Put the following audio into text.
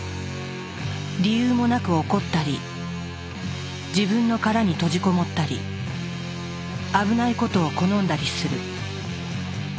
理由もなく怒ったり自分の殻に閉じこもったり危ないことを好んだりする。